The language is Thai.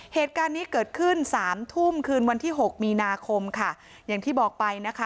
เหตุการณ์นี้เกิดขึ้นสามทุ่มคืนวันที่หกมีนาคมค่ะอย่างที่บอกไปนะคะ